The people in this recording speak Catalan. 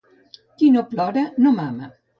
Qui no plora no mama.